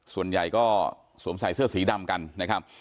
ส่วนใหญ่ก็สวมใส่เสื้อสีดำกันนะครับ